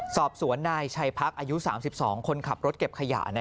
สอบสวนนายชัยพักอายุ๓๒คนขับรถเก็บขยะ